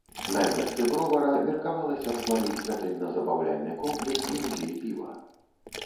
На месцы бровара меркавалася стварыць гатэльна-забаўляльны комплекс і музей піва.